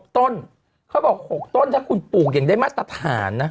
ต้นเขาบอก๖ต้นถ้าคุณปลูกอย่างได้มาตรฐานนะ